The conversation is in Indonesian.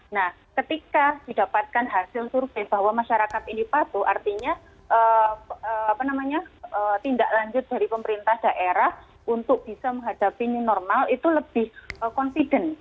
nah ketika didapatkan hasil survei bahwa masyarakat ini patuh artinya tindak lanjut dari pemerintah daerah untuk bisa menghadapi new normal itu lebih confident